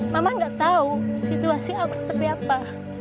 mama nggak tahu situasi aku seperti apa